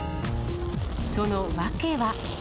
その訳は。